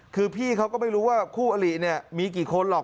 คือพี่เขาก็ไม่รู้ว่าคู่อลิเนี่ยมีกี่คนหรอก